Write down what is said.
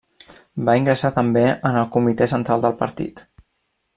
Va ingressar també en el comitè central del partit.